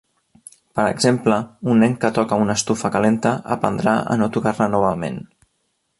Per exemple, un nen que toca una estufa calenta aprendrà a no tocar-la novament.